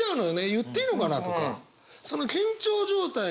言っていいのかな？とか。